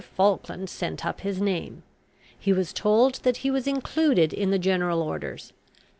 Falkland sent up his name. He was told that he was included in the general orders.